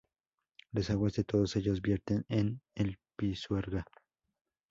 Las aguas de todos ellos vierten en el Pisuerga.